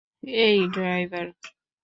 এই, ড্রাইভার!